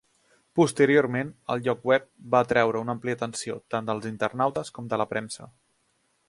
Posteriorment, el lloc web va atreure una àmplia atenció, tant dels internautes com de la premsa.